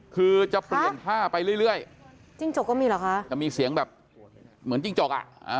คือจะเปลี่ยนท่าไปเรื่อยจิ้งจกก็มีเหรอคะจะมีเสียงแบบเหมือนจิ้งจกอ่ะ